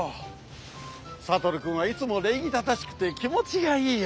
悟君はいつも礼儀正しくて気もちがいいよ。